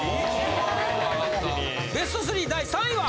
ベスト３位第３位は。